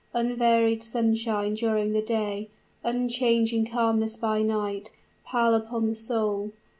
Unvaried sunshine during the day, unchanging calmness by night, pall upon the soul.